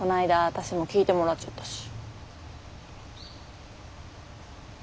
私も聞いてもらっちゃったし。